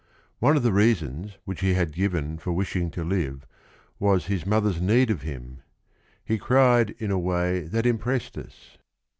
One of the reasons which he had given for wishing to live was his mother's need of him. He cried in a way that impressed us.